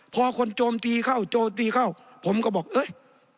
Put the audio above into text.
พอคนโจมตีเข้าโจมตีเข้าผมก็บอกเอ้ย